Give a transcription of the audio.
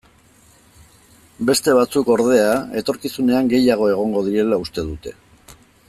Beste batzuek, ordea, etorkizunean gehiago egongo direla uste dute.